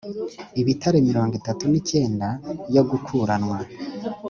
ibitare mirongo itatu n imyenda yo gukuranwa